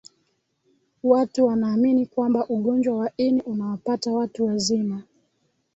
watu wanaamini kwamba ugonjwa wa ini unawapata watu wazima